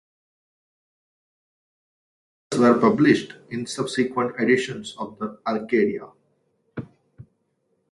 Two others were published in subsequent editions of the "Arcadia".